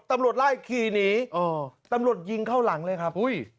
ตำรวจไล่ขี่หนีตำรวจยิงเข้าหลังเลยครับ